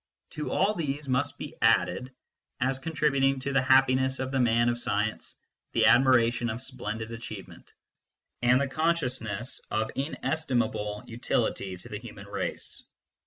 To all these must be added, as contributing to the happiness of the man of science, the admiration of splendid achievement, and the consciousness of inestim able utility to the human race.